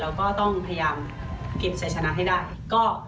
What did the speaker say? เราก็สามารถเก็บใช้ชนะได้ค่ะ